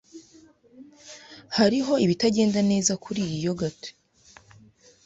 Hariho ibitagenda neza kuriyi yogurt.